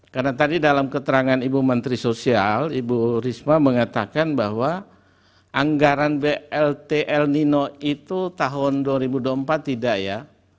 karena tadi dalam keterangan ibu menteri sosial ibu risma mengatakan bahwa anggaran bltl nino itu tahun dua ribu dua puluh empat tidak ya